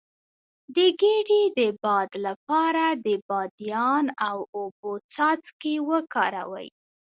د ګیډې د باد لپاره د بادیان او اوبو څاڅکي وکاروئ